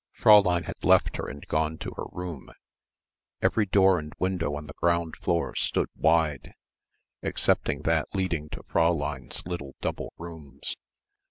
Fräulein had left her and gone to her room. Every door and window on the ground floor stood wide excepting that leading to Fräulein's little double rooms.